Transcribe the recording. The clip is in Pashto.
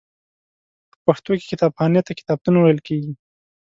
په پښتو کې کتابخانې ته کتابتون ویل کیږی.